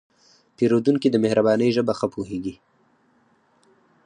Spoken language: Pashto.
پیرودونکی د مهربانۍ ژبه ښه پوهېږي.